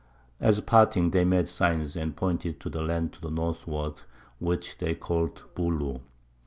At parting they made Signs, and pointed to the Land to the Northward, which they call'd Booloo.